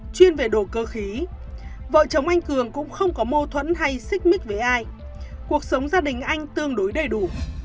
chuyên về đồ cơ khí vợ chồng anh cường cũng không có mâu thuẫn hay xích mích với ai cuộc sống gia đình anh tương đối đầy đủ